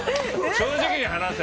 正直に話せ。